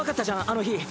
あの日。